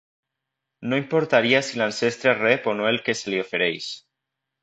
No importaria si l'ancestre rep o no el que se li ofereix.